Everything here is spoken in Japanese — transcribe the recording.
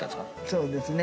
そうですね。